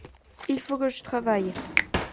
Il faut que je travaille.